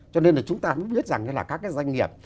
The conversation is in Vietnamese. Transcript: cho nên là chúng ta cũng biết rằng là các cái doanh nghiệp